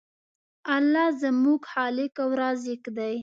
الله زموږ خالق او رازق دی.